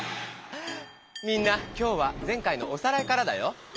みんな今日は前回のおさらいからだよ。